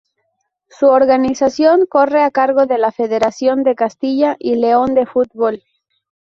Su organización corre a cargo de la Federación de Castilla y León de Fútbol.